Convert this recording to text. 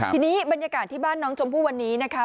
ทีนี้บรรยากาศที่บ้านน้องชมพู่วันนี้นะคะ